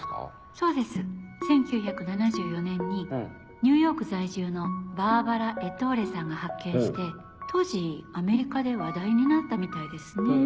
そうです１９７４年にニューヨーク在住のバーバラ・エトーレさんが発見して当時アメリカで話題になったみたいですね。